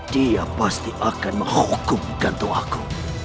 dia pasti akan menghukum gantung aku